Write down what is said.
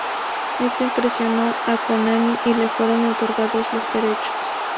Esto impresionó a Konami y le fueron otorgados los derechos.